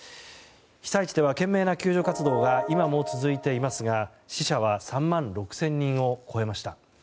被災地では懸命な救助活動が今も続いていますが死者は３万６０００人を超えました。